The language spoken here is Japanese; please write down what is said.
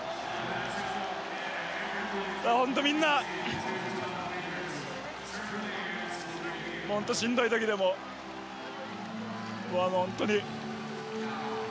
本当にみんな、しんどい時でも本当に。